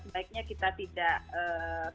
sebaiknya kita tidak